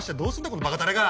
このバカタレが！